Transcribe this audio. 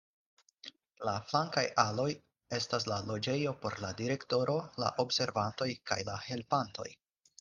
La flankaj aloj estas la loĝejo por la direktoro, la observantoj kaj la helpantoj.